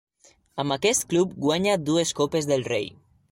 Amb aquest club guanya dues Copes del Rei.